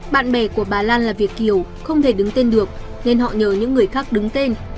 bạn bè của bà lan là việt kiều không thể đứng tên được nên họ nhờ những người khác đứng tên